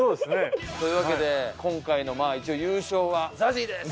というわけで今回のまあ一応優勝はＺＡＺＹです。